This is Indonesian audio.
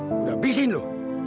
udah abisin lu